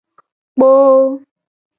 Kpoo.